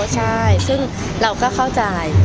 ใช่ซึ่งเราก็เข้าใจ